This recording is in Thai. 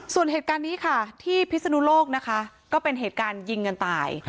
ส่วนเหตุการณ์นี้ค่ะที่พิศนุโลกนะคะก็เป็นเหตุการณ์ยิงกันตาย